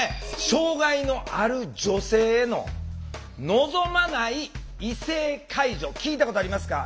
障害のある女性の「望まない異性介助」聞いたことありますか？